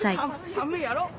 寒いやろ？